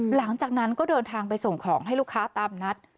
หลังจากนั้นก็เดินทางไปส่งของให้ลูกค้าตามนัด